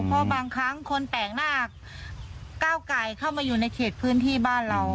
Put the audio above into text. เพราะบางครั้งคนแปลกหน้าก้าวไก่เข้ามาอยู่ในเขตพื้นที่บ้านเรา